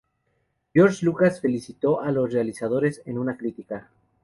George Lucas felicitó a los realizadores en una carta.